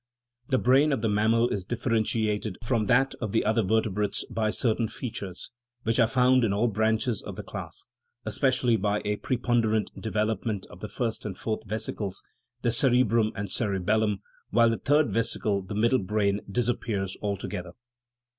The brain of the mammal is differentiated from that of the other vertebrates by certain features, which are found in all branches of the class ; especially by a preponderant development of the first and fourth ves icles, the cerebrum and cerebellum, while the third ves icle, the middle brain, disappears altogether.